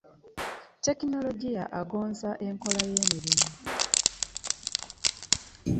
Tekinologiya agonza enkola y'emirimu.